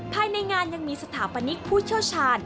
ภายในงานยังมีสถาปนิกผู้เชี่ยวชาญ